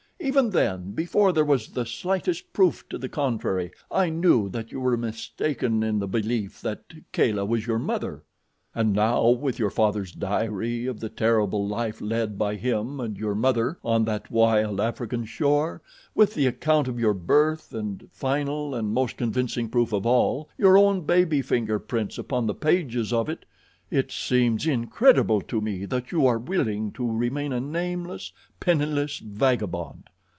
Even then, before there was the slightest proof to the contrary, I knew that you were mistaken in the belief that Kala was your mother. "And now, with your father's diary of the terrible life led by him and your mother on that wild African shore; with the account of your birth, and, final and most convincing proof of all, your own baby finger prints upon the pages of it, it seems incredible to me that you are willing to remain a nameless, penniless vagabond."